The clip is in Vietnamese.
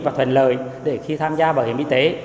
và thuần lời để khi tham gia bảo hiểm y tế